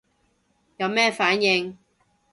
有咩反應